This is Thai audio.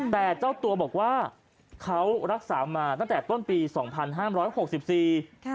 แต่เจ้าตัวบอกว่าเขารักษามาตั้งแต่ต้นปีสองพันห้ามร้อยหกสิบสี่ค่ะ